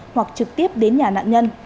hoặc trực tiếp đến nhà nạn nhân